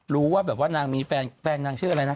รู้ว่าแบบว่านางมีแฟนแฟนนางชื่ออะไรนะ